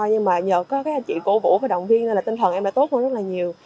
nhưng mà nhờ có các anh chị cố vũ và động viên nên là tinh thần em đã tốt hơn rất là nhiều